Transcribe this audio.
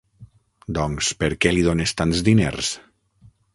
Doncs per què li dones tants diners?